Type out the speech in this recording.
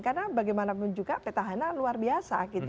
karena bagaimanapun juga petahana luar biasa